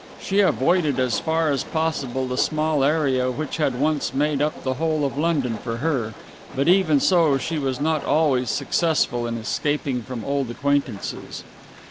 She avoided as far as possible the small area which had once made up the whole of London for her, but even so she was not always successful in escaping from old acquaintances.